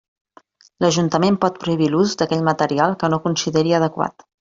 L'Ajuntament pot prohibir l'ús d'aquell material que no consideri adequat.